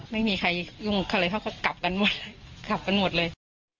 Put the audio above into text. ไม่มีใครยุ่งอะไรเขาก็กลับกันหมดกลับกันหมดเลย